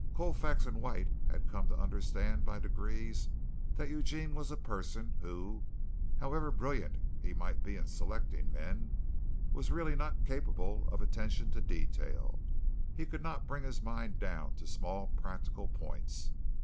Colfax and White had come to understand by degrees that Eugene was a person who, however brilliant he might be in selecting men, was really not capable of attention to detail. He could not bring his mind down to small practical points.